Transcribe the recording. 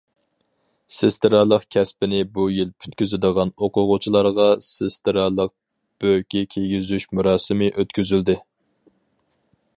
سېسترالىق كەسپىنى بۇ يىل پۈتكۈزىدىغان ئوقۇغۇچىلارغا سېسترالىق بۆكى كىيگۈزۈش مۇراسىمى ئۆتكۈزۈلدى.